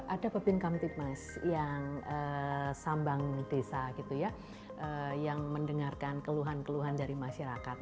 ada bebin kamtidmas yang sambang desa yang mendengarkan keluhan keluhan dari masyarakat